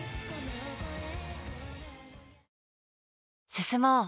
進もう。